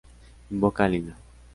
Invoca a Lina.